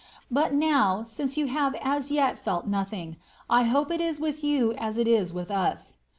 But now, since you have as yet felt nothing. I hope it is with yon as it is with us.